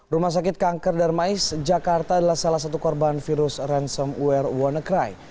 rumah sakit kanker darmais jakarta adalah salah satu korban virus ransom aware wannacry